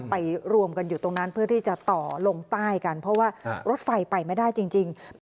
รวมกันอยู่ตรงนั้นเพื่อที่จะต่อลงใต้กันเพราะว่ารถไฟไปไม่ได้จริง